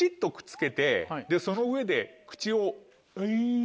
その上で口を。